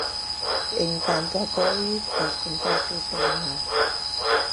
En canto á covid, os contaxios seguen á alza.